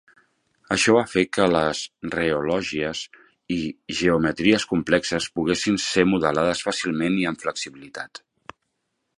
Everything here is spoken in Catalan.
Això va fer que les reologies i geometries complexes poguessin ser modelades fàcilment i amb flexibilitat.